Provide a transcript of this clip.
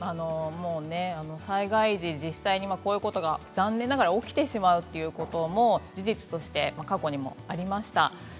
災害時に実際にこういうことが残念ながら起きてしまうということも事実として過去にもありました。